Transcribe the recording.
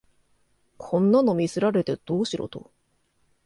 こんなの見せられてどうしろと